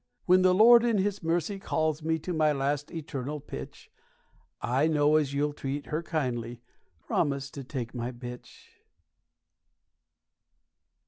When the Lord in his mercy calls me to my last eternal pitch, I know as you'll treat her kindly promise to take my bitch!